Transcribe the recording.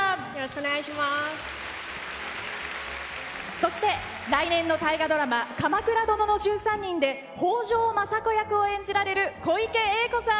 そして来年の大河ドラマ「鎌倉殿の１３人」で北条政子役を演じられる小池栄子さん。